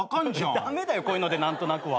駄目だよこういうので何となくは。